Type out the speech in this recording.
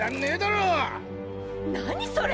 何それ！